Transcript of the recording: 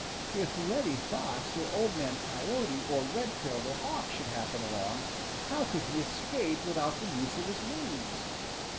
If Reddy Fox or Old Man Coyote or Redtail the Hawk should happen along, how could he escape without the use of his wings?